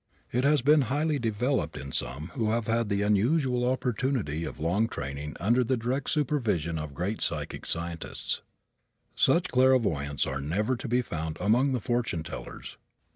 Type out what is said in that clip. It has been highly developed in some who have had the unusual opportunity of long training under the direct supervision of great psychic scientists. Such clairvoyants are never to be found among the fortune tellers.